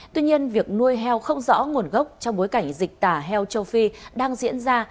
tuy nhiên việc nuôi heo không rõ nguồn gốc trong bối cảnh dịch tả heo châu phi đang diễn ra